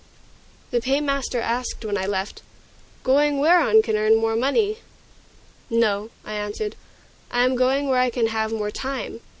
The paymaster asked, when I left, "Going where on can earn more money?" "No," I answered, "I am going where I can have more time."